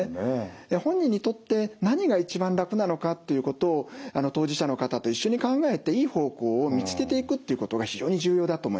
本人にとって何が一番楽なのかっていうことを当事者の方と一緒に考えていい方向を見つけていくっていうことが非常に重要だと思います。